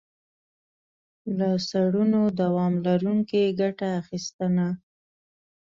له څړونو دوام لرونکي ګټه اخیستنه.